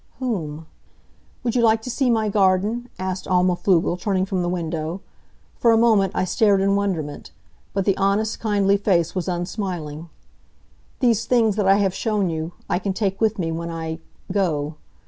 Whom? "Would you like to see my garden?" asked Alma Pflugel, turning from the window. For a moment I stared in wonderment. But the honest, kindly face was unsmiling. "These things that I have shown you, I can take with me when I go.